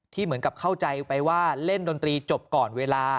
เหมือนกับเข้าใจไปว่าเล่นดนตรีจบก่อนเวลา